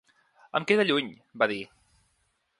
Em queda lluny, va dir.